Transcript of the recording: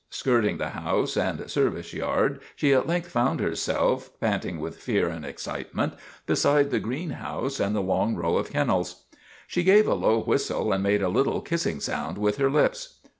Skirting the house and service yard she at length found herself, panting with fear and excitement, beside the greenhouse and the long row of kennels. She gave a low whistle and made a little kissing sound with her lips.